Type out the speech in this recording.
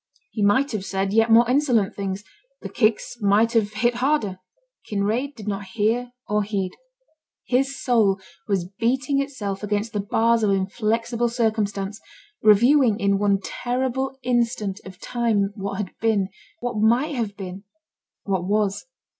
He might have said yet more insolent things; the kicks might have hit harder; Kinraid did not hear or heed. His soul was beating itself against the bars of inflexible circumstance; reviewing in one terrible instant of time what had been, what might have been, what was.